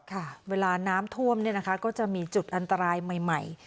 ค่ะเวลาน้ำท่วมเนี่ยนะคะก็จะมีจุดอันตรายใหม่ใหม่